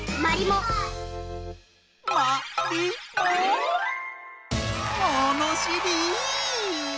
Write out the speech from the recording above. ものしり！